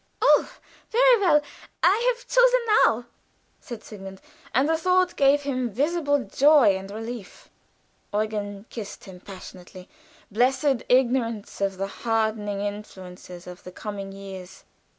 "Oh, very well. I have chosen now," said Sigmund, and the thought gave him visible joy and relief. Eugen kissed him passionately. Blessed ignorance of the hardening influences of the coming years!